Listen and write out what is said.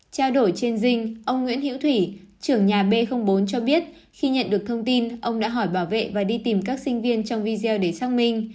trao đổi trên dinh ông nguyễn hiễu thủy trưởng nhà b bốn cho biết khi nhận được thông tin ông đã hỏi bảo vệ và đi tìm các sinh viên trong video để xác minh